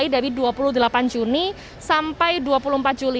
dari dua puluh delapan juni sampai dua puluh empat juli